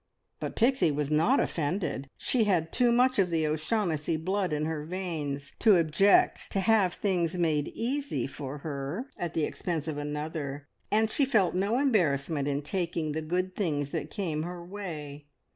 But Pixie was not offended. She had too much of the O'Shaughnessy blood in her veins to object to have things made easy for her at the expense of another, and she felt no embarrassment in taking the good things that came in her way.